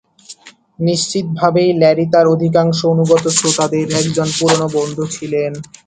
নিশ্চিতভাবেই ল্যারি তার অধিকাংশ অনুগত শ্রোতাদের একজন পুরনো বন্ধু ছিলেন।